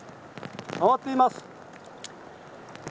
回っています。